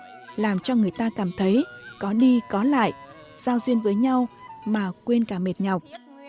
nhưng làm cho người ta cảm thấy có đi có lại giao duyên với nhau mà quên cả mệt nhọc